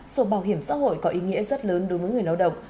sổ bảo hiểm xã hội có ý nghĩa rất lớn đối với người lao động